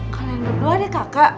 kalian berdua deh kakak